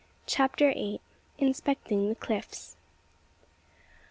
CHAPTER EIGHT. INSPECTING THE CLIFFS.